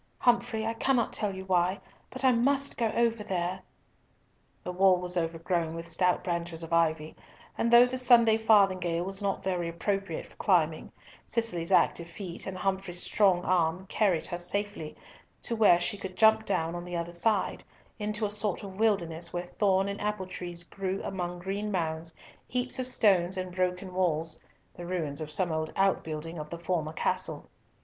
Humfrey, I cannot tell you why, but I must go over here." The wall was overgrown with stout branches of ivy, and though the Sunday farthingale was not very appropriate for climbing, Cicely's active feet and Humfrey's strong arm carried her safely to where she could jump down on the other side, into a sort of wilderness where thorn and apple trees grew among green mounds, heaps of stones and broken walls, the ruins of some old outbuilding of the former castle.